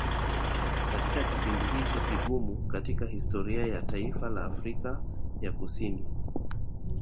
katika kipindi hicho kigumu katika historia ya taifa la Afrika ya kusini